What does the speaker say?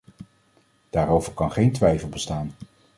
Daarover kan geen twijfel bestaan.